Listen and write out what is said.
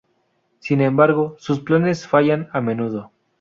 Sin embargo, sus planes fallan a menudo.